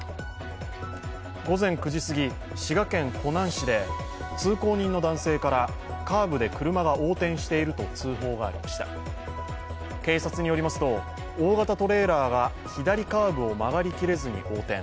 午前９時すぎ、滋賀県湖南市で通行人の男性からカーブで車が横転していると通報がありました警察によりますと、大型トレーラーが左カーブを曲がりきれずに横転。